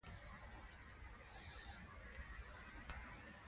پوهه لرونکې میندې د ماشومانو روغتیایي عادتونه جوړوي.